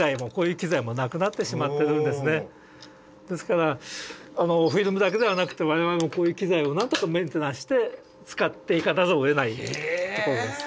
ですからフィルムだけではなくて我々もこういう機材をなんとかメンテナンスして使っていかざるをえないところです。